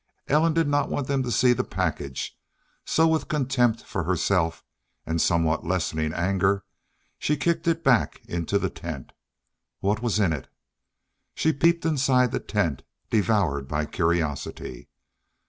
Ellen did not want them to see the package, so with contempt for herself, and somewhat lessening anger, she kicked it back into the tent. What was in it? She peeped inside the tent, devoured by curiosity.